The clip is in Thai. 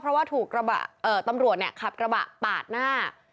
เพราะว่าตำรวจนะครับกระบะปากหน้า